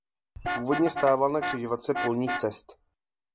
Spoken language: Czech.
Původně stával na křižovatce polních cest.